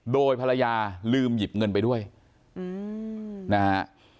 โดยภรรยาลืมหยิบเงินไปด้วยนะฮะ